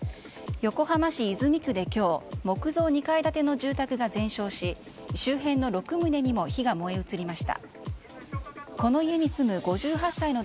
横浜市泉区で今日木造２階建ての住宅が全焼し周辺の６棟にも火が燃え移りました。